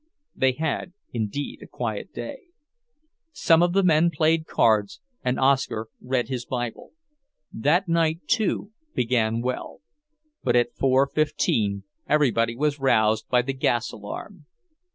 They had, indeed, a quiet day. Some of the men played cards, and Oscar read his Bible. The night, too, began well. But at four fifteen everybody was roused by the gas alarm.